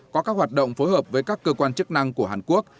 có các hoạt động phối hợp với các cơ quan chức năng của hàn quốc